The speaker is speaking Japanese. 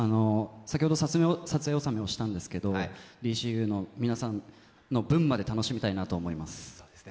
先ほど撮影納めをしたんですけれども、「ＤＣＵ」の皆さんの分まで楽しみたいなと思います。